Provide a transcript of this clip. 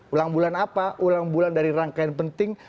ulang bulan apa ulang bulan dari rangkaian penting